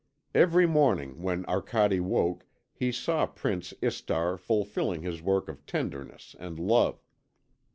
Every morning when Arcade woke he saw Prince Istar fulfilling his work of tenderness and love.